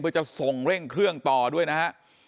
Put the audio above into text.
เพื่อจะส่งเร่งเครื่องต่อด้วยนะฮะ